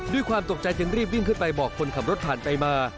ด้วยความตกใจจึงรีบวิ่งขึ้นไปบอกคนขับรถผ่านไปมา